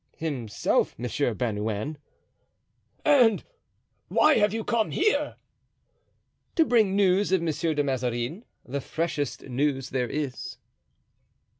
"Himself, Monsieur Bernouin." "And why have you come here?" "To bring news of Monsieur de Mazarin—the freshest news there is."